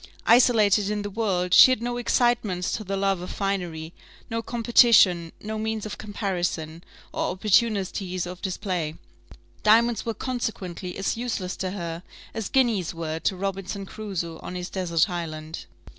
Isolated in the world, she had no excitements to the love of finery, no competition, no means of comparison, or opportunities of display; diamonds were consequently as useless to her as guineas were to Robinson Crusoe on his desert island.